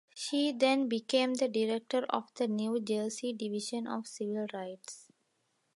She then became the director of the New Jersey Division of Civil Rights.